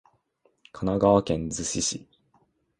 神奈川県逗子市